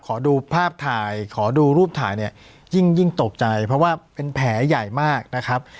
ขอดูภาพถ่ายขอดูรูปถ่ายเนี่ยยิ่งตกใจเพราะว่าเป็นแผลใหญ่มากนะครับ